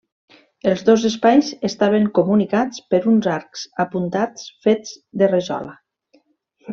Els dos espais estaven comunicats per uns arcs apuntats fets de rajola.